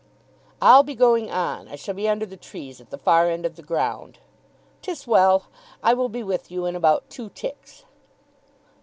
"I'll be going on. I shall be under the trees at the far end of the ground." "'Tis well. I will be with you in about two ticks."